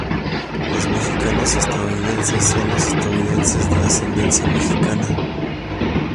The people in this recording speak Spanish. Los mexicanos-estadounidenses son los estadounidenses de ascendencia mexicana.